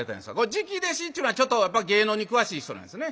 「直弟子」ちゅうのはちょっとやっぱ芸能に詳しい人なんですね。